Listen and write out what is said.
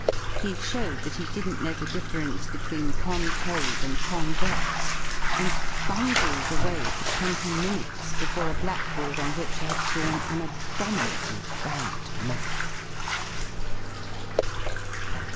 He showed that he didn't know the difference between concave and convex, and bungled away for twenty minutes before a blackboard on which he had drawn an abominably bad map.